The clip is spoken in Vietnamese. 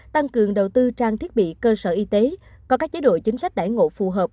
tăng cường đầu tư trang thiết bị cơ sở y tế có các chế độ chính sách đải ngộ phù hợp